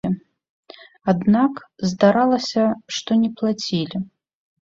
Аднак, здаралася, што не плацілі.